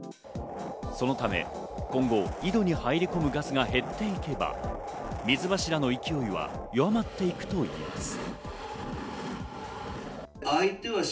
そのため、今後、井戸に入り込むガスが減っていけば水柱の勢いは弱まっていくといいます。